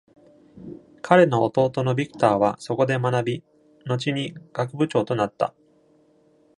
彼の弟のビクターはそこで学び、後に学部長となった。